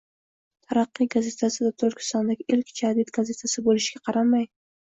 “Taraqqiy” gazetasi Turkistondagi ilk jadid gazetasi bo'lishiga qaramay